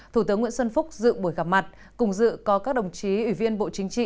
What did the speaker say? thủ tướng nguyễn xuân phúc dự buổi gặp mặt cùng dự có các đồng chí ủy viên bộ chính trị